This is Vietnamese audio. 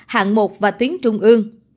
hạng một và tuyến trung ương